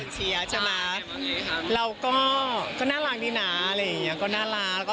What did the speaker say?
เชียร์ใช่ไหมเราก็น่ารักดีนะอะไรอย่างนี้ก็น่ารัก